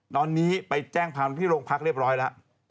ตอนนี้ไปแจ้งความที่โรงพักเรียบร้อยแล้ว